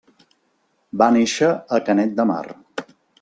Va néixer a Canet de Mar.